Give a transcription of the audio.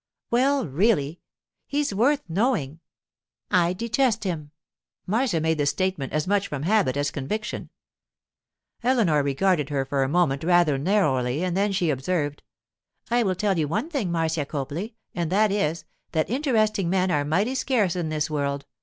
'Well, really! He's worth knowing.' 'I detest him!' Marcia made the statement as much from habit as conviction. Eleanor regarded her a moment rather narrowly, and then she observed: 'I will tell you one thing, Marcia Copley; and that is, that interesting men are mighty scarce in this world.